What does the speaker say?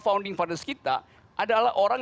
founding fathers kita adalah orang